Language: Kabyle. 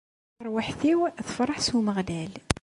Tarwiḥt-iw tefreḥ s Umeɣlal.